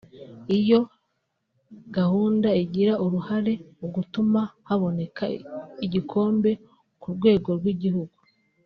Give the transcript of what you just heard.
iyo gahunda igira uruhare mu gutuma kabona igikombe ku rwego rw’igihugu